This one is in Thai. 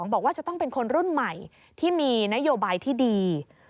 บอกว่าจะต้องเป็นคนรุ่นใหม่ที่มีนโยบายที่ดี